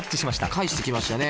返してきましたね